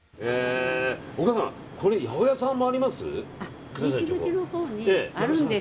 お母さん、ここら辺に八百屋さんもあります？